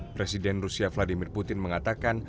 presiden rusia vladimir putin mengatakan